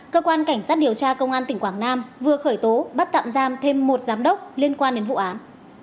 cơ quan cảnh sát điều tra công an tỉnh quảng nam vừa khởi tố bắt tạm giam thêm một giám đốc liên quan đến vụ án